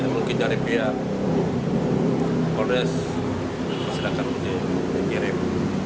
mungkin dari pihak polis masyarakat mungkin kirim